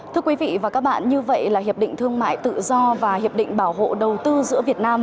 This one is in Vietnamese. thưa quý vị và các bạn như vậy là hiệp định thương mại tự do và hiệp định bảo hộ đầu tư giữa việt nam